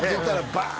バーン！